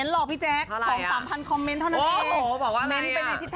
นี่จ๊ะของสามพันคอมเม้นท์ชาวนี้